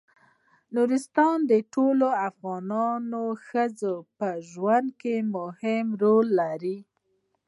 نورستان د ټولو افغان ښځو په ژوند کې مهم رول لري.